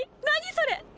何それ！